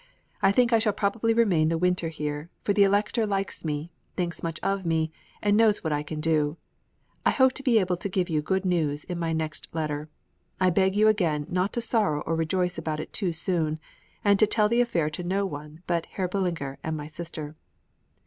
I think I shall probably remain the winter here, for the Elector likes me, thinks much of me, and knows what I can do. I hope to be able to give you good news in my next letter. I beg you again not to sorrow or rejoice about it too soon, and to tell the affair to no one but Herr Bullinger and my sister.